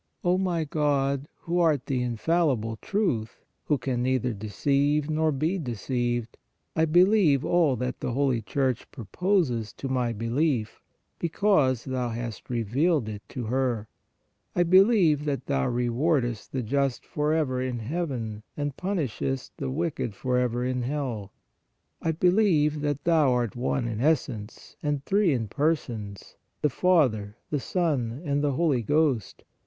O my God, who art the infallible Truth, who can neither deceive nor be deceived, I believe all that the Holy Church proposes to my belief, be cause Thou hast revealed it to her. I believe that Thou rewardest the just forever in heaven and pun ishest the wicked forever in hell. I believe that Thou art One in Essence, and three in Persons, the Father, the Son, and the Holy Ghost.